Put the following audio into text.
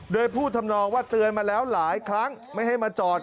โดยพูดทำนองว่าเตือนมาแล้วหลายครั้งไม่ให้มาจอด